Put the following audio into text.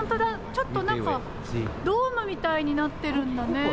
ちょっと何かドームみたいになってるんだね。